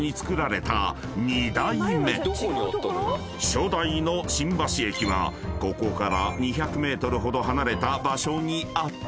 ［初代の新橋駅はここから２００ｍほど離れた場所にあった］